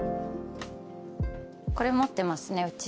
これ持ってますねうち。